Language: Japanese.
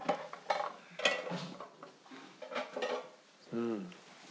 うん。